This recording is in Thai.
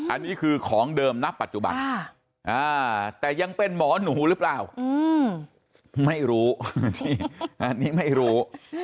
อันนี้คือของเดิมณปัจจุบันแต่ยังเป็นหมอหนูหรือเปล่าไม่รู้อันนี้ไม่รู้